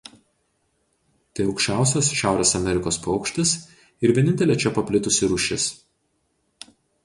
Tai aukščiausias Šiaurės Amerikos paukštis ir vienintelė čia paplitusi rūšis.